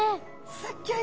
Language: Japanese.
すギョい